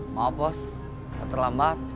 maaf bos saya terlambat